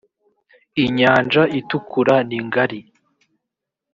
i nyanja itukura ningari.